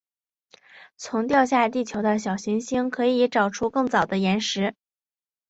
从掉下地球的小行星可以找出更早的岩石。